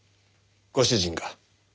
ご主人が？